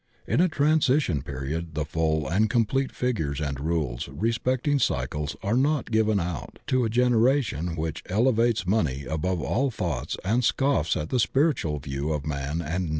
In a transition period the full and complete figures and rules respecting cycles are not given out to a generation which elevates money above all thoughts and scoffs at the spiritual view of man and nature.